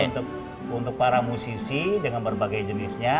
jadi untuk para musisi dengan berbagai jenisnya